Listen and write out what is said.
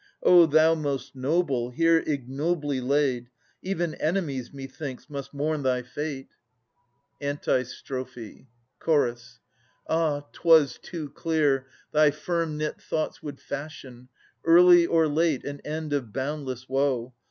O thou most noble, here ignobly laid. Even enemies methinks must mourn thy fate ! 935 953] Ams 85 Antistrophe. Ch. Ah! 'twas too clear thy firm knit thoughts would fashion, Early or late, an end of boundless woe